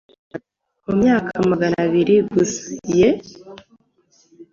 Ngo imyaka magana biri gusa”Yee,